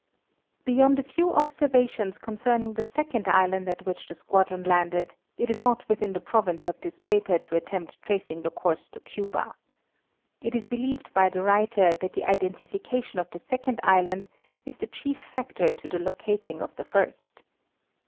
Beyond a few observations concerning the second island at which the squadron landed, it is not within the province of this paper to attempt tracing the course to Cuba. It is believed by the writer that the identification of the second island is the chief factor to the locating of the first.